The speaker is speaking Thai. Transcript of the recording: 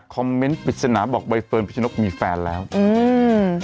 คอมเม้นต์ปริศนาบอกบ่อยเฟิร์นพิชนกมีแฟนแล้วอืม